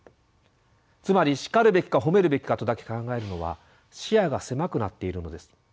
つまり「叱るべきか褒めるべきか」とだけ考えるのは視野が狭くなっているのです。